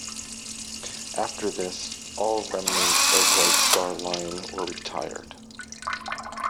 After this, all remnants of White Star Line were retired.